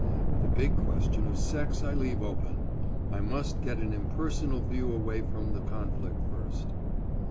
The big questions of sex I leave open. I must get an impersonal view away from the conflict first.